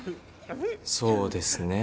そうですねぇ。